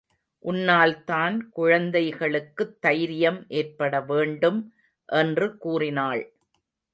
உன்னால் தான் குழந்தைகளுக்குத் தைரியம் ஏற்பட வேண்டும் என்று கூறினாள்.